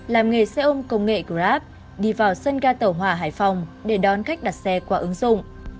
làm nghề xe ôm công nghệ grab đi vào sân ga tàu hỏa hải phòng để đón khách đặt xe qua ứng dụng